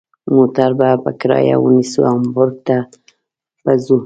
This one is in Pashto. موټر به په کرایه ونیسو او هامبورګ ته به ځو.